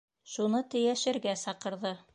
Шуны тейәшергә саҡырҙы.